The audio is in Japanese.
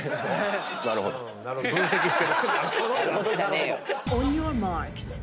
分析してる。